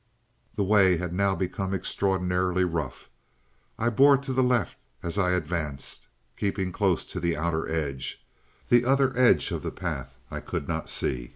"The way had now become extraordinarily rough. I bore to the left as I advanced, keeping close to the outer edge. The other edge of the path I could not see.